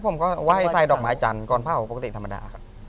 ผมก็ไหว้ทรายดอกไม้จันทร์ก่อนเผ่าปกติธรรมดา